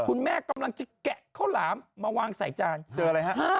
คุณแม่กำลังจะแกะข้าวหลามมาวางใส่จานเจออะไรฮะ